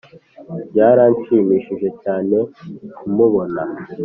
byaranshimishije cyane kumubona!”